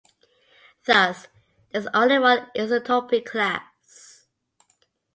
Thus there is only one isotopy class.